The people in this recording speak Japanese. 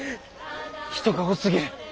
人が多すぎる。